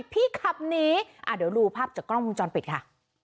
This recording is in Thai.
พี่ขับหนีเดี๋ยวดูภาพจากกล้องวงจรปิดค่ะ